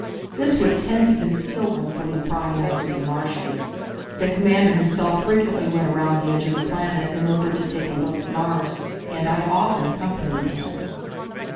This would tend to conceal them from the prying eyes of the Martians. The commander himself frequently went around the edge of the planet in order to take a look at Mars, and I often accompanied him.